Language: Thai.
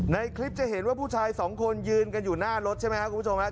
ในคลิปจะเห็นว่าผู้ชายสองคนยืนกันอยู่หน้ารถใช่ไหมครับคุณผู้ชมครับ